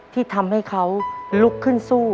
ที่ทำให้เขาลุกขึ้นสู้